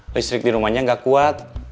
listrik di rumahnya nggak kuat